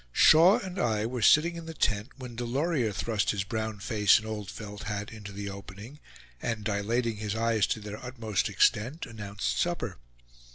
Shaw and I were sitting in the tent, when Delorier thrust his brown face and old felt hat into the opening, and dilating his eyes to their utmost extent, announced supper.